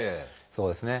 そうですね。